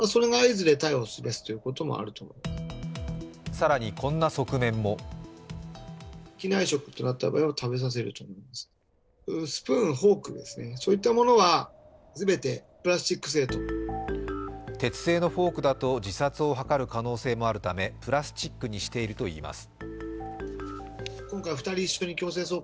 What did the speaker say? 更に、こんな側面も鉄製のフォークだと自殺を図る可能性もあるためプラスチックにしているといいます。